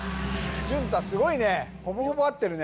淳太すごいねほぼほぼ合ってるね